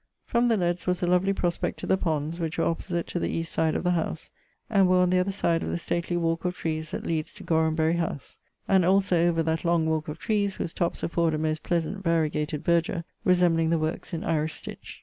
From the leads was a lovely prospect to the ponds, which were opposite to the east side of the howse, and were on the other side of the stately walke of trees that leades to Gorhambery howse: and also over that long walke of trees, whose topps afford a most pleasant variegated verdure, resembling the workes in Irish stitch.